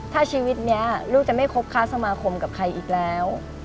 ถ้าชีวิตนี้ลูกจะไม่คบค้าสมาคมกับใครอีกแล้ว